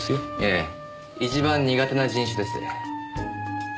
ええ一番苦手な人種です。